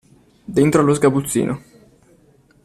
Dentro allo sgabuzzino.